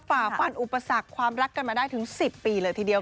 ฝ่าฟันอุปสรรคความรักกันมาได้ถึง๑๐ปีเลยทีเดียว